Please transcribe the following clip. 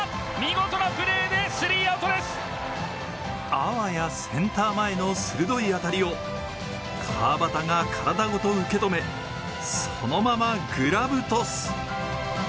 あわやセンター前の鋭い当たりを川畑が体ごと受け止めそのまま、グラブトス。